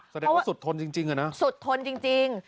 แสดงว่าสุดทนจริงอะนะสุดทนจริง